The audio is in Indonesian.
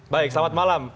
baik selamat malam